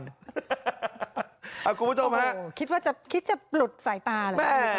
ครับคุณผู้ชมครับคิดว่าจะคิดจะปลุดสายตาแม่นะครับ